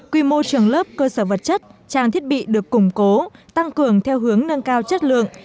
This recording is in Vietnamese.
quy mô trường lớp cơ sở vật chất trang thiết bị được củng cố tăng cường theo hướng nâng cao chất lượng